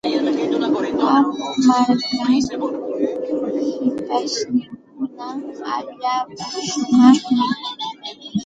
Ambo markapa shipashninkuna allaapa shumaqmi.